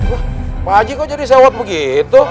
wah pak haji kok jadi sawat begitu